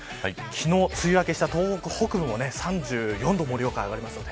昨日、梅雨明けした東北北部も３４度、盛岡上がります。